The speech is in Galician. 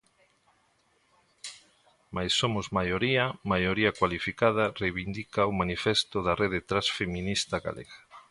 Mais somos maioría, maioría cualificada, reivindica o manifesto da Rede Transfeminista Galega.